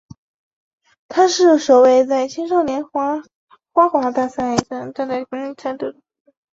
他是首位在青少年花滑大奖赛站上颁奖台的拉脱维亚滑冰选手。